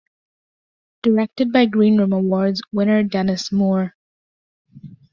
Directed by Green Room Awards winner Denis Moore.